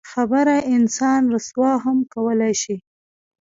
خبره انسان رسوا هم کولی شي.